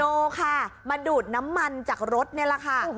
โนค่ะมาดูดน้ำมันจากรถนี่แหละค่ะ